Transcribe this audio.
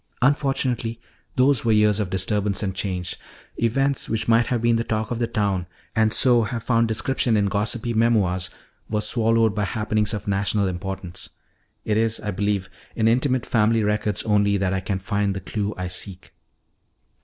Unfortunately, those were years of disturbance and change. Events which might have been the talk of the town, and so have found description in gossipy memoirs, were swallowed by happenings of national importance. It is, I believe, in intimate family records only that I can find the clue I seek."